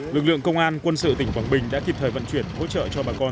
lực lượng công an quân sự tỉnh quảng bình đã kịp thời vận chuyển hỗ trợ cho bà con